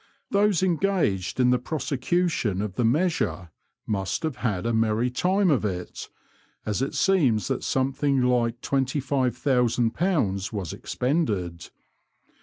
Those engaged in the prosecution of the measure must have had a merry time of it, as it seems that something like £25,000 was expended.